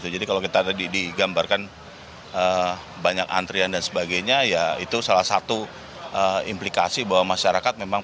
jadi kalau kita digambarkan banyak antrian dan sebagainya ya itu salah satu implikasi bahwa masyarakat memang